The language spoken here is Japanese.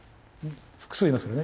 複数いますからね。